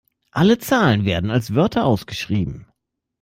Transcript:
Alle Zahlen werden als Wörter ausgeschrieben.